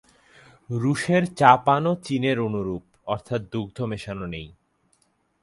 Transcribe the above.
রুশের চা-পানও চীনের অনুরূপ, অর্থাৎ দুগ্ধ মেশানো নেই।